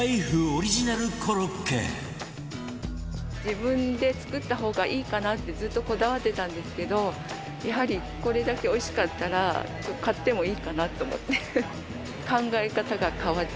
自分で作った方がいいかなってずっとこだわってたんですけどやはりこれだけおいしかったら買ってもいいかなと思って。